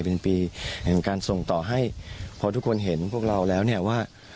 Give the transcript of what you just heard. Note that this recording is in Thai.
เป็นปีของการส่งต่อให้พอทุกคนเห็นพวกเราแล้ว